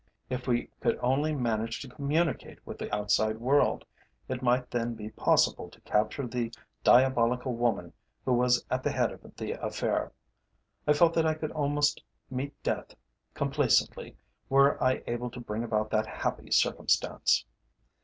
If we could only manage to communicate with the outside world, it might then be possible to capture the diabolical woman who was at the head of the affair. I felt that I could almost meet death complacently were I able to bring about that happy circumstance.